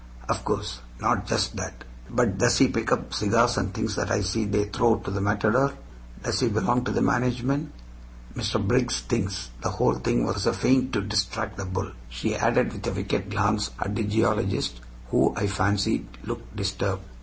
Of course, not just that. But does he pick up cigars and things that I see they throw to the matador? Does he belong to the management? Mr. Briggs thinks the whole thing was a feint to distract the bull," she added, with a wicked glance at the geologist, who, I fancied, looked disturbed.